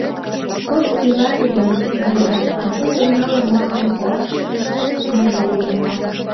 Кок пила дене йыгат, а тудо, налын-налын, ораш наҥгаен опта.